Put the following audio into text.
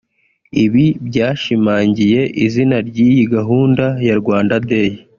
Ibi byashimangiye izina ry’iyi gahunda ya Rwanda Day